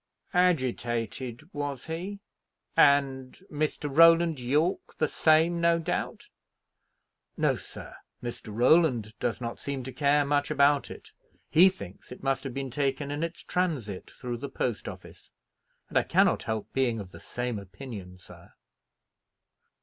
"Agitated, was he? And Mr. Roland Yorke the same, no doubt?" "No, sir; Mr. Roland does not seem to care much about it. He thinks it must have been taken in its transit through the post office, and I cannot help being of the same opinion, sir."